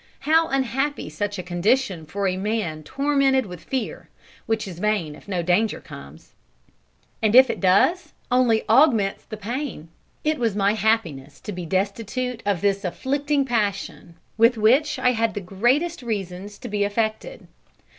How unhappy such a condition for a man tormented with fear, which is vain if no danger comes; and if it does, only augments the pain! It was my happiness to be destitute of this afflicting passion, with which I had the greatest reason to be affected.